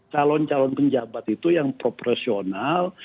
calon calon penjabat itu yang proporsional